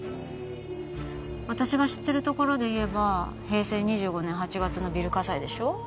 私が知ってるところでいえば平成２５年８月のビル火災でしょ